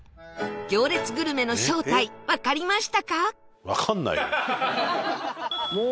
行列グルメの正体わかりましたか？